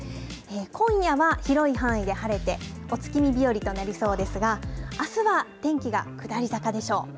今夜は広い範囲で晴れてお月見日和となりそうですがあすは天気が下り坂でしょう。